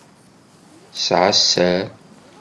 Tesεa sser.